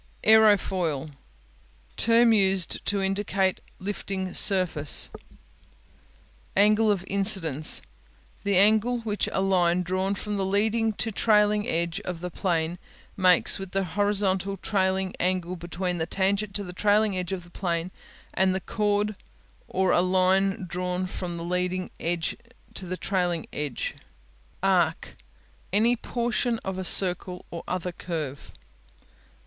Aerofoil Term used to indicate lifting surface, Angle of Incidence The angle which a line drawn from the leading to the trailing edge of the plane makes with the horizontal trailing angle between the tangent to the trailing edge of the plane and the chord or a line drawn from the leading to the trailing edge. Arc Any portion of a circle or other curve.